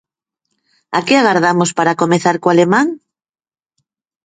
A que agardamos para comezar co alemán?